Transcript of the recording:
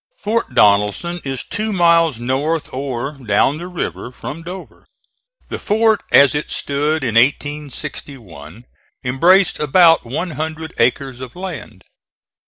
Fort Donelson is two miles north, or down the river, from Dover. The fort, as it stood in 1861, embraced about one hundred acres of land.